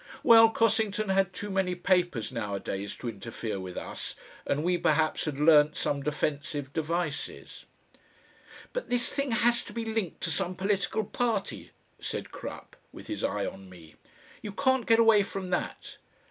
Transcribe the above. Well, Cossington had too many papers nowadays to interfere with us, and we perhaps had learnt some defensive devices. "But this thing has to be linked to some political party," said Crupp, with his eye on me. "You can't get away from that.